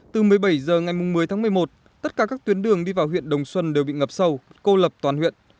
từ một mươi bảy h ngày một mươi tháng một mươi một tất cả các tuyến đường đi vào huyện đồng xuân đều bị ngập sâu cô lập toàn huyện